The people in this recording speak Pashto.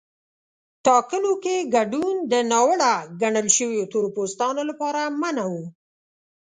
ټاکنو کې ګډون د ناوړه ګڼل شویو تور پوستانو لپاره منع و.